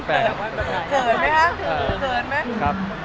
เผินไหมครับ